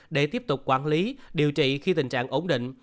để tiếp tục quản lý điều trị khi tình trạng ổn định